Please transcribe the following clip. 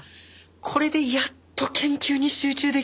これでやっと研究に集中できる